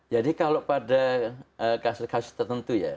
jadi kalau pada kasus kasus tertentu ya